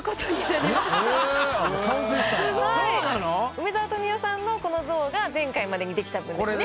梅沢富美男さんのこの像が前回までに出来た分ですね。